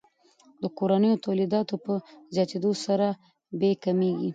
د کورنیو تولیداتو په زیاتیدو سره بیې کمیږي.